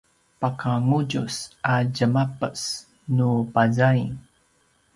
paka ngudjus a djemapes nu pazaing